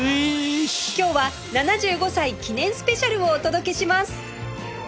今日は７５歳記念スペシャルをお届けします！